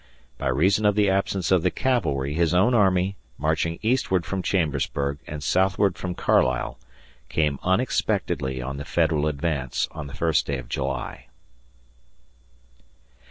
... By reason of the absence of the cavalry his own army, marching eastward from Chambersburg and southward from Carlisle, came unexpectedly on the Federal advance on the first day of July.